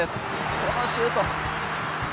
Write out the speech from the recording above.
このシュート。